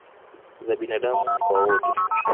za binaadamu kwa wote